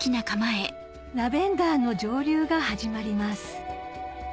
ラベンダーの蒸留が始まります